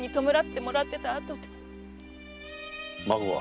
孫は？